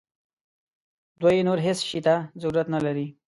دوی نور هیڅ شي ته ضرورت نه لري.